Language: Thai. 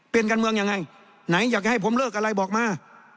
เป็นการเมืองยังไงไหนอยากจะให้ผมเลิกอะไรบอกมา